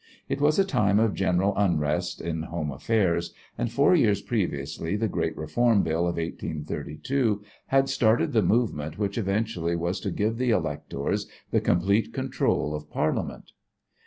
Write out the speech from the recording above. It was a time of general unrest in home affairs, and four years previously the great Reform Bill of 1832 had started the movement which eventually was to give the electors the complete control of Parliament.